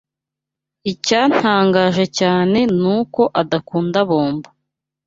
Icyantangaje cyane nuko adakunda bombo.